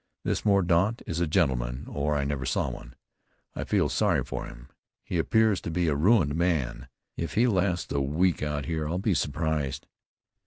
This Mordaunt is a gentleman, or I never saw one. I feel sorry for him. He appears to be a ruined man. If he lasts a week out here I'll be surprised.